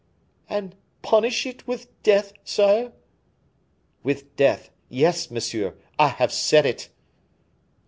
"And punish it with death, sire?" "With death; yes, monsieur, I have said it."